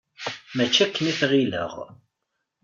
Mačči akken i t-ɣilleɣ.